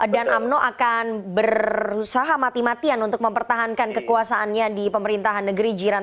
dan umno akan berusaha mati matian untuk mempertahankan kekuasaannya di pemerintahan negeri jiran